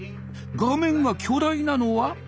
画面が巨大なのは？